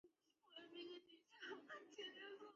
回京任谒者。